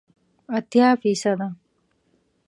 اتیا فیصده